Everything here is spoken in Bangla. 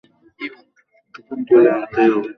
তুলে আনতেই হবে।